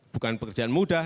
bukan pekerjaan mudah